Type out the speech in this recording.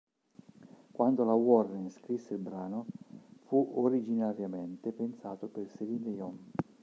Quando la Warren scrisse il brano, fu originariamente pensato per Céline Dion.